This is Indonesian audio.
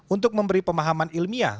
untuk memberi pemahaman ilmiah